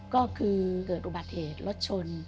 ก็คือเกิดอุบัติเหตุรถชน